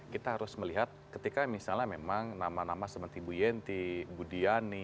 kita harus melihat ketika misalnya memang nama nama seperti bu yenti bu diani